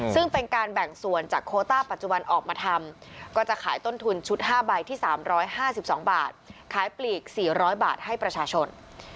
ซึ่งเป็นการแบ่งส่วนจากโคต้าปัจจุบันออกมาทำก็จะขายต้นทุนชุด๕ใบที่๓๕๒บาทขายปลีก๔๐๐บาทให้ประชาชน